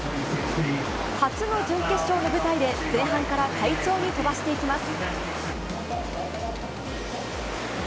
初の準決勝の舞台で、前半から快調に飛ばしていきます。